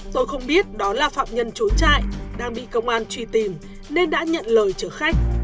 tôi không biết đó là phạm nhân trốn trại đang bị công an truy tìm nên đã nhận lời chở khách